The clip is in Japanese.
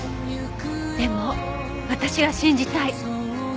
でも私は信じたい。